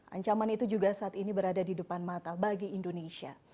ancaman itu juga saat ini berada di depan mata bagi indonesia